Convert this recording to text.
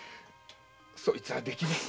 そいつはできねぇ。